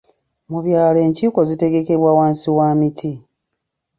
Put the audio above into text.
Mu byalo enkiiko zitegekebwa wansi wa miti.